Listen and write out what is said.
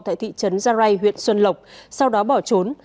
tại thị trấn gia rai huyện xuân lộc sau đó bỏ trốn